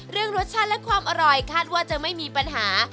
เรื่องรสชาติและความอร่อยคาดว่าจะไม่มีปัญหา